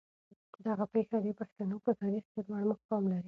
دغه پېښه د پښتنو په تاریخ کې ځانګړی مقام لري.